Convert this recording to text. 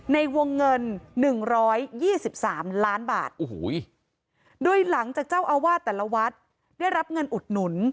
ในวงเงิน๑๒๓ล้านบาทโดยหลังจากเจ้าอาวาสแต่ละวัดได้รับเงินอุดหนุน